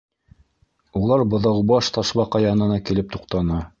Улар Быҙаубаш Ташбаҡа янына килеп туҡтаны.